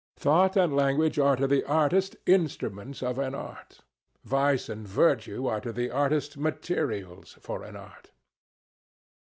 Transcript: Thought and language are to the artist instruments of an art. Vice and virtue are to the artist materials for an art.